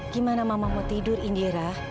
gimana mama mau tidur indira